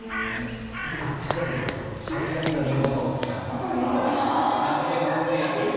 僕どっちかっていうとシャリシャリのリンゴの方が好きなんですよ。